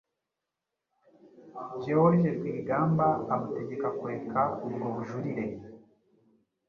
George Rwigamba amutegeka kureka ubwo bujurire.